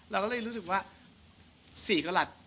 เราก็เลยรู้สึกว่า๔กระหลัด